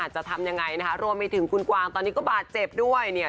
จะทำยังไงนะคะรวมไปถึงคุณกวางตอนนี้ก็บาดเจ็บด้วยเนี่ย